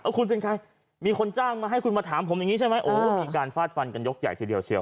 คุณเป็นใครมีคนจ้างมาให้คุณมาถามผมอย่างนี้ใช่ไหมโอ้มีการฟาดฟันกันยกใหญ่ทีเดียวเชียว